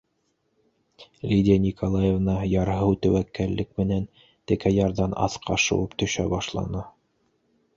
Лидия Николаевна ярһыу тәүәккәллек менән текә ярҙан аҫҡа шыуып төшә башланы.